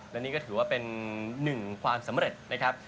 และนี่ก็ถือว่าเป็นหนึ่งความสำเร็จนะครับ